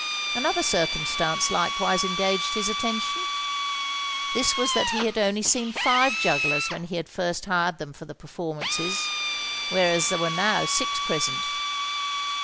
Another circumstance likewise engaged his attention. This was that he had only seen five jugglers when he had first hired them for the performances; whereas there were now six present.